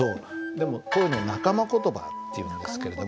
でもこういうのを仲間言葉っていうんですけれども。